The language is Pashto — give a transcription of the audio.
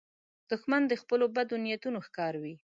دښمن د خپلو بدو نیتونو ښکار وي